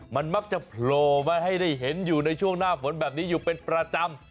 มันมักจะโผล่มาให้ได้เห็นอยู่ในช่วงหน้าฝนแบบนี้อยู่เป็นประจำ